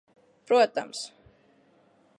Protams.